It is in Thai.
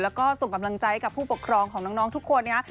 แล้วก็ส่งกำลังใจกับผู้ปกครองของน้องทุกคนนะครับ